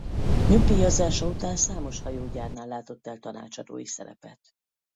Nyugdíjazása után számos hajógyárnál látott el tanácsadói szerepet.